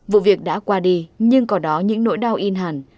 vụ việc đã qua đi nhưng có đó những nỗi đau in hẳn